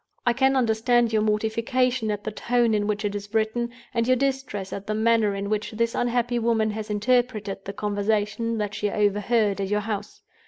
I can understand your mortification at the tone in which it is written, and your distress at the manner in which this unhappy woman has interpreted the conversation that she overheard at your house.